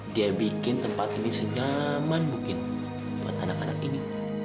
dia bikin tempat ini senyaman mungkin buat anak anak ini